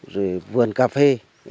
rồi vườn cà phê